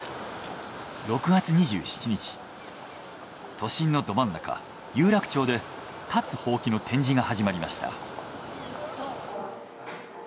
都心のど真ん中有楽町で立つほうきの展示が始まりました。